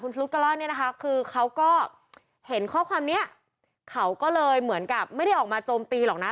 ฟลุ๊กก็เล่าเนี่ยนะคะคือเขาก็เห็นข้อความนี้เขาก็เลยเหมือนกับไม่ได้ออกมาโจมตีหรอกนะ